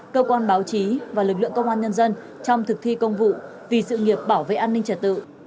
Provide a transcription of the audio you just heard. cơ quan báo chí và lực lượng công an nhân dân trong thực thi công vụ vì sự nghiệp bảo vệ an ninh trật tự